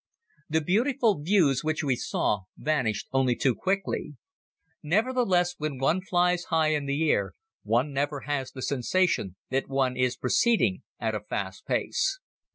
The beautiful views which we saw vanished only too quickly. Nevertheless, when one flies high in the air one never has the sensation that one is proceeding at a fast pace.